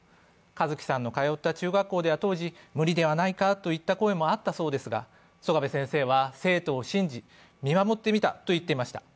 和毅さんの通った中学校では当時、無理ではないかという声もありましたが、曽我部先生は生徒を信じ見守ってみたと言っていました。